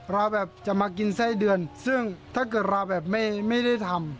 เราแบบจะมากินไส้เดือนซึ่งถ้าเกิดเราแบบไม่ได้ทำ